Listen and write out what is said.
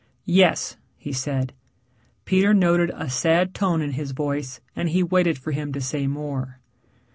"Yes," he said. Peter noted a sad tone in his voice, and he waited for him to say more.